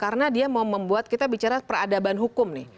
karena dia membuat kita bicara peradaban hukum nih